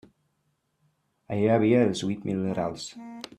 Allí hi havia els huit mil rals.